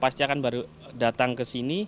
pasti akan baru datang ke sini